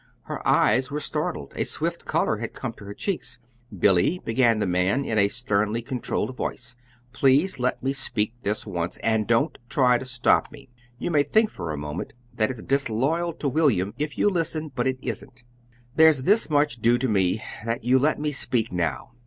Her eyes were startled. A swift color had come to her cheeks. "Billy," began the man, in a sternly controlled voice, "please let me speak this once, and don't try to stop me. You may think, for a moment, that it's disloyal to William if you listen; but it isn't. There's this much due to me that you let me speak now.